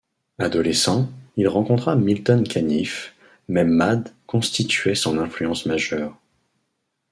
Adolescent, il rencontra Milton Caniff, mais Mad constituait son influence majeure.